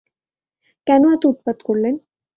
কেন এত উৎপাত করলেন!